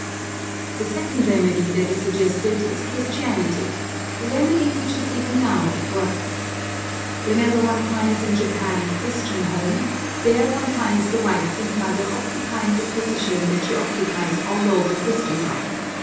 The second remedy that is suggested is Christianity, a remedy which is even now at work. Wherever one finds in Japan a Christian home, there one finds the wife and mother occupying the position that she occupies all over Christendom.